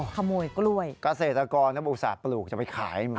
ขโมยกล้วยกาเศรษฐกรณ์และบุษัฐปลูกจะไปขาย